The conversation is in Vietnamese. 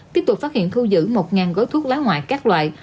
tiếp tục phát hiện thu giữ một gói thuốc lá ngoại các loại